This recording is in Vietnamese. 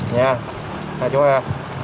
nha hai chú em